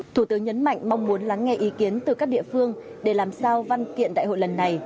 thủ tướng nhấn mạnh mong muốn lắng nghe ý kiến từ các địa phương để làm sao văn kiện đại hội lần này